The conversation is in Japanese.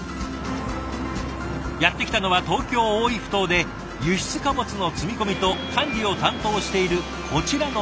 やって来たのは東京・大井埠頭で輸出貨物の積み込みと管理を担当しているこちらの部署。